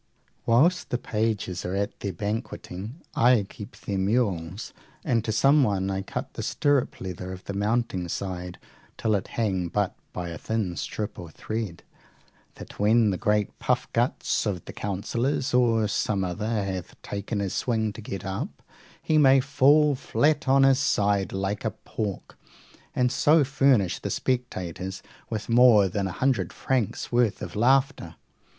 Whilst the pages are at their banqueting, I keep their mules, and to someone I cut the stirrup leather of the mounting side till it hang but by a thin strap or thread, that when the great puffguts of the counsellor or some other hath taken his swing to get up, he may fall flat on his side like a pork, and so furnish the spectators with more than a hundred francs' worth of laughter.